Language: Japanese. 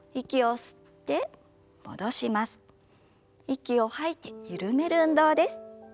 息を吐いて緩める運動です。